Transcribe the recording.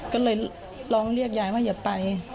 ก็เลยร้องเรียกยายว่าอย่าไป